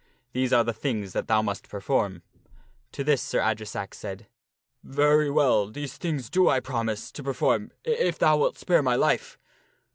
These are the things that thou must perform." To this Sir Adresack said, " Very well, these things do I promise to perform if thou wilt spare my life."